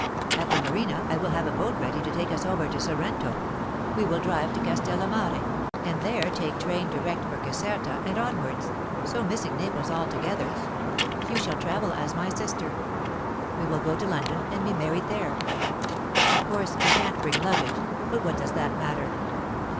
At the Marina I will have a boat ready to take us over to Sorrento; we will drive to Castellamare, and there take train direct for Caserta and onwards, so missing Naples altogether. You shall travel as my sister. We will go to London, and be married there. Of course you can't bring luggage, but what does that matter?